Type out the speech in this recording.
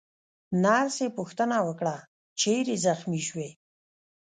نرسې پوښتنه وکړه: چیرې زخمي شوې؟